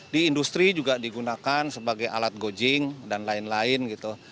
di industri juga digunakan sebagai alat godjing dan lain lain gitu